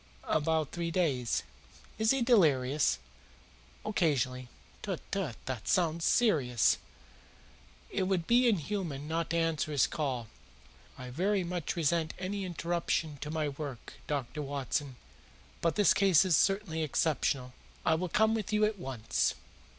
"About three days." "Is he delirious?" "Occasionally." "Tut, tut! This sounds serious. It would be inhuman not to answer his call. I very much resent any interruption to my work, Dr. Watson, but this case is certainly exceptional. I will come with you at once."